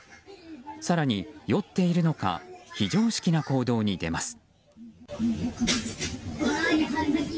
更に、酔っているのか非常識な行動に出ます。